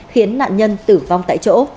khiến nạn nhân tử vong tại chỗ